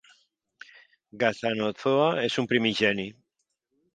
Ghatanothoa és un Primigeni.